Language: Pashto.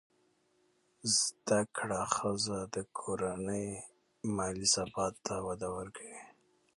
زده کړه ښځه د کورنۍ مالي ثبات ته وده ورکوي.